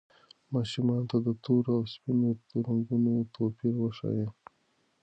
ماشومانو ته د تورو او سپینو رنګونو توپیر وښایئ.